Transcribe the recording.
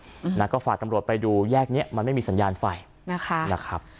อืมนะก็ฝากตำรวจไปดูแยกเนี้ยมันไม่มีสัญญาณไฟนะคะนะครับ